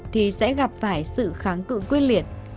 thì sẽ gặp phải sự kháng cự quyết liệt